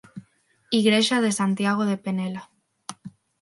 Igrexa de Santiago de Penela.